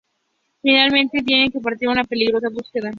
Finalmente tiene que partir en una peligrosa búsqueda.